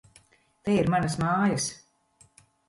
Te ir manas mājas!